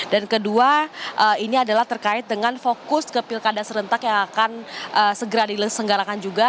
dan kedua ini adalah terkait dengan fokus ke pilkada serentak yang akan segera disenggarakan juga